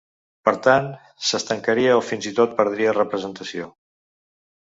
Per tant, s’estancaria o fins i tot perdria representació.